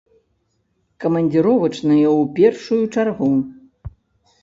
Камандзіровачныя ў першую чаргу!